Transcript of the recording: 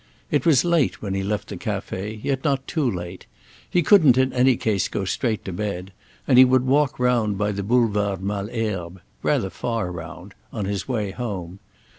It was late when he left the café, yet not too late; he couldn't in any case go straight to bed, and he would walk round by the Boulevard Malesherbes—rather far round—on his way home.